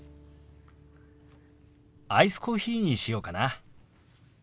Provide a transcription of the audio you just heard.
アイスコーヒーにしようかな。